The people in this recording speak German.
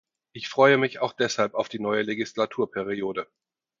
Ich freue mich auch deshalb auf die neue Legislaturperiode.